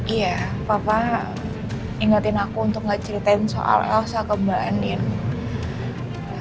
iya papa ingetin aku untuk gak ceritain soal elsa ke mbak edine